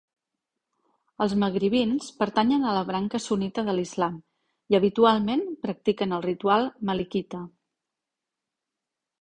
Els magribins pertanyen a la branca sunnita de l'islam i habitualment practiquen el ritual malikita.